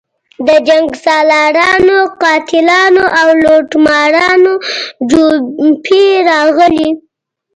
د جنګسالارانو، قاتلانو او لوټمارانو جوپې راغلي.